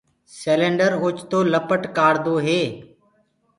سيلينڊر اوچتو لپٽ ڪآڙدو هي۔